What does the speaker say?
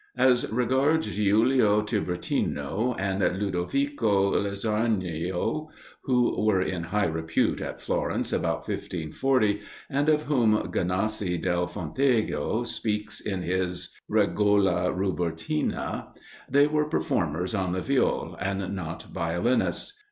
As regards Giulio Tiburtino and Ludovico Lasagrino, who were in high repute at Florence about 1540, and of whom Ganassi del Fontego speaks in his "Regola Rubertina," they were performers on the Viol, and not Violinists.